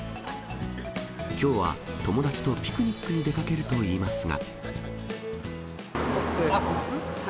きょうは友達とピクニックに出かけるといいますが。